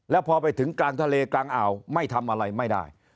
แล้วพอไปถึงกลางทะเลกลางอ่าวไม่ทำอะไรไม่ได้